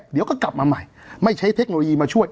เดี๋ยวก็กลับมาใหม่ไม่ใช้เทคโนโลยีมาช่วย